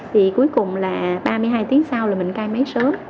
thì cuối cùng là ba mươi hai tiếng sau là mình cai máy sớm